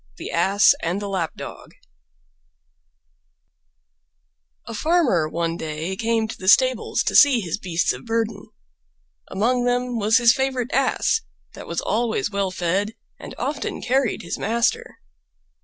THE ASS AND THE LAP DOG A farmer one day came to the stables to see to his beasts of burden: among them was his favorite Ass, that was always well fed and often carried his master.